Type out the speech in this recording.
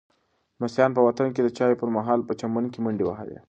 لمسیانو به په وطن کې د چایو پر مهال په چمن کې منډې وهلې.